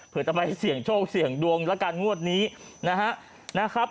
เพื่อจะไปเสี่ยงโชคเสี่ยงดวงแล้วกันงวดนี้นะครับ